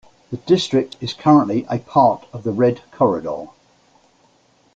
The district is currently a part of the Red Corridor.